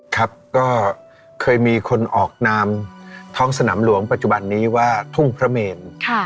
ครับก็เคยมีคนออกนามท้องสนามหลวงปัจจุบันนี้ว่าทุ่งพระเมน